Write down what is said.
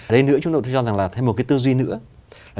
đây nữa chúng tôi cho rằng là thêm một cái tư duy nữa